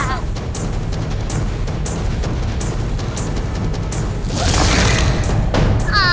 aduh aduh aduh